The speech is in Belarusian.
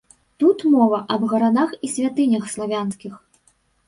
Тут мова аб гарадах і святынях славянскіх.